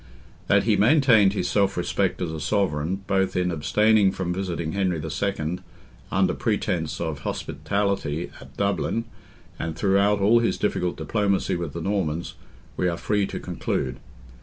That he maintained his self respect as a sovereign, both in abstaining from visiting Henry II. under pretence of hospitality at Dublin, and throughout all his difficult diplomacy with the Normans, we are free to conclude.